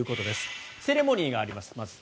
まずセレモニーがあります。